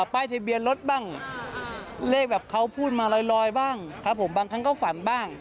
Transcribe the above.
ป้ายทะเบียนรถบ้างเลขแบบเขาพูดมาลอยบ้างครับผมบางครั้งก็ฝันบ้าง